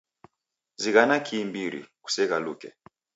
Zighana kiimbiri, kuseghaluke